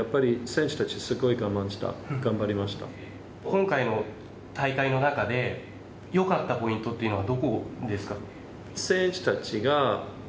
今回の大会の中でよかったポイントっていうのはどこですかね？